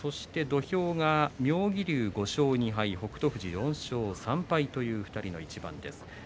土俵が妙義龍５勝２敗北勝富士４勝３敗の一番です。